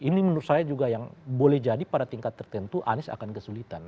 ini menurut saya juga yang boleh jadi pada tingkat tertentu anies akan kesulitan